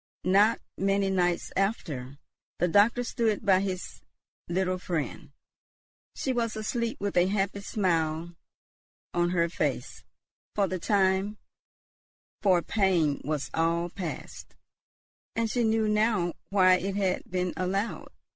Not many nights after, the doctor stood by his little friend. She was asleep, with a happy smile on her face; for the time for pain was all past, and she knew now why it had been allowed.